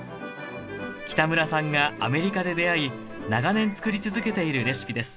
北村さんがアメリカで出会い長年つくり続けているレシピです